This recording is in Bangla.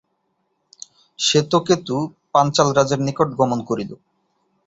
শ্বেতকেতু পাঞ্চালরাজের নিকট গমন করিল।